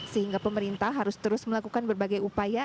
sehingga pemerintah harus terus melakukan berbagai upaya